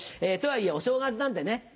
とはいえお正月なんでね